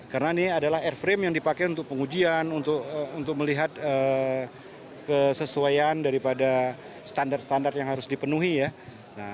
karena ini adalah airframe yang dipakai untuk pengujian untuk melihat kesesuaian daripada standar standar yang harus dipenuhi ya